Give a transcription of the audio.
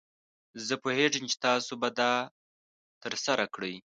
زه پوهیږم چې تاسو به دا ترسره کړئ.